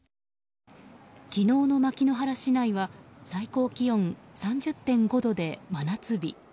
昨日の牧之原市内は最高気温３０．５度で真夏日。